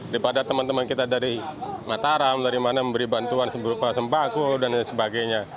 daripada teman teman kita dari mataram dari mana memberi bantuan seberapa sempaku dan sebagainya